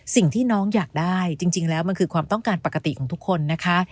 สิ่งที่น้องอยากได้จริงแล้วมันคือความต้องการปกติของทุกคนนะคะ